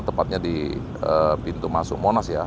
tepatnya di pintu masuk monastir